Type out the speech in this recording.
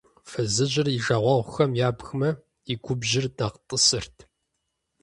Фызыжьыр и жагъуэгъухэм ебгмэ, и губжьыр нэхъ тӀысырт.